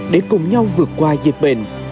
để cùng nhau vượt qua dịch bệnh